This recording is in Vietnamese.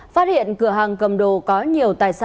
phát hiện cửa hàng cầm đồ có nhiều tài sản có giá trị cao